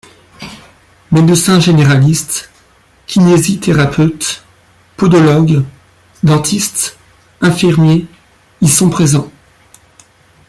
Médecins généralistes, kinésithérapeutes, podologue, dentistes, infirmiers y sont présents.